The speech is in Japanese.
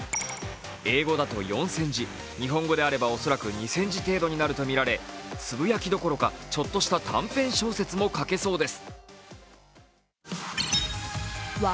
英語だと４０００字、日本語であれば恐らく２０００字程度になるとみられつぶやきどころかちょっとした短編小説も書けそうです。